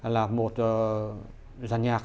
là một giàn nhạc